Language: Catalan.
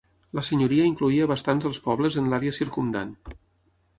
La senyoria incloïa bastants dels pobles en l'àrea circumdant.